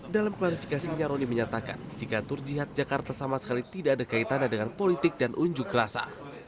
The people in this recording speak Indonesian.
dalam klarifikasinya roni menyatakan jika tur jihad jakarta sama sekali tidak ada kaitannya dengan politik dan unjuk rasa